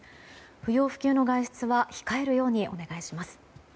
不要不急の外出は控えるようにお願いします。